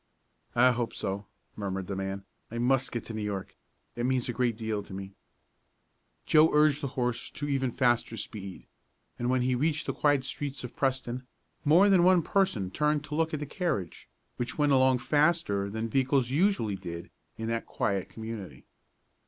"I hope so," murmured the man. "I must get to New York it means a great deal to me." Joe urged the horse to even faster speed, and when he reached the quiet streets of Preston more than one person turned to look at the carriage, which went along faster than vehicles usually did in that quiet community.